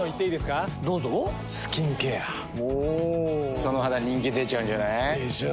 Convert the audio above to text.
その肌人気出ちゃうんじゃない？でしょう。